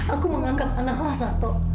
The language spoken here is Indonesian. aku menganggap anaknya sama tato